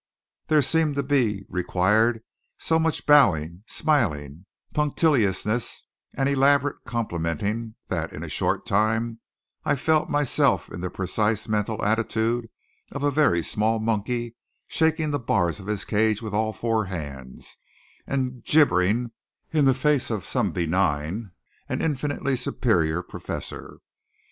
There seemed to be required so much bowing, smiling, punctiliousness and elaborate complimenting that in a short time I felt myself in the precise mental attitude of a very small monkey shaking the bars of his cage with all four hands and gibbering in the face of some benign and infinitely superior professor.